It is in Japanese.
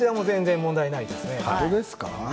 本当ですか？